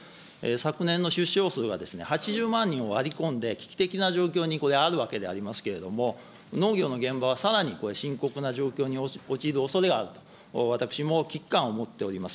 昨年の出生数は８０万人を割り込んで危機的な状況にあるわけでございますけれども、農業の現場はさらにこれ、深刻な状況に陥るおそれがあると、私も危機感を持っております。